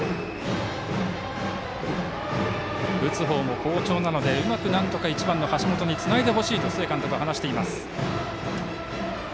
打つ方も好調なのでうまくなんとか１番の橋本につないでほしいと須江監督は話しています。